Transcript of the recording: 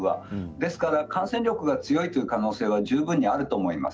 ですから感染力が強いという可能性は十分にあると思います。